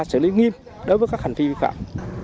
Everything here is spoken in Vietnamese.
xử lý nghiêm đối với các hành vi vi phạm